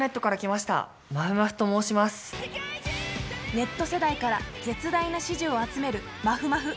ネット世代から絶大な支持を集める、まふまふ。